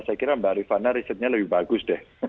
saya kira mbak rifana risetnya lebih bagus deh